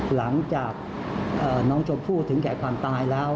หลังจากน้องชมพู่ถึงแก่ความตายแล้ว